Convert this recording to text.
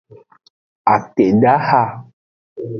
Akpedaha.